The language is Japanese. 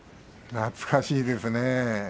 懐かしいですね。